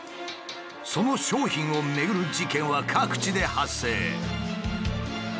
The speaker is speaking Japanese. その商品を巡る事件は各地で発生。